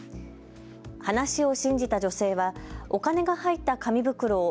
話を信じた女性はお金が入った紙袋を